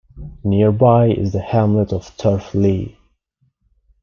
Nearby is the hamlet of Turf Lea.